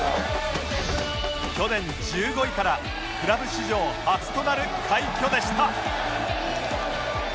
去年１５位からクラブ史上初となる快挙でした